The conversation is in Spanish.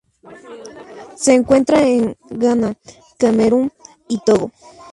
Se encuentra en Ghana, Camerún y Togo.